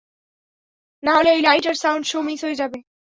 নাহলে ঐ লাইট আর সাউন্ড শো মিস হয়ে যাবে।